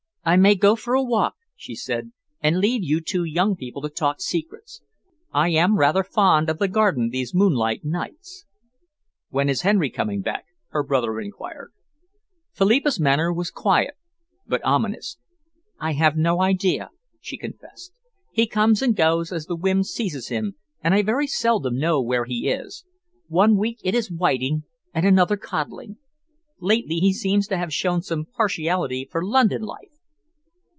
"I may go for a walk," she said, "and leave you two young people to talk secrets. I am rather fond of the garden these moonlight nights." "When is Henry coming back?" her brother enquired. Philippa's manner was quiet but ominous. "I have no idea," she confessed. "He comes and goes as the whim seizes him, and I very seldom know where he is. One week it is whiting and another codling. Lately he seems to have shown some partiality for London life."